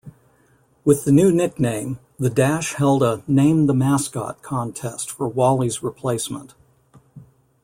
With the new nickname, the Dash held a name-the-mascot contest for Wally's replacement.